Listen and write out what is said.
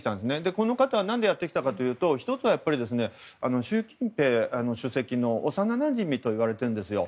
この方はなんでやってきたかというと１つは、習近平主席の幼なじみといわれているんですよ。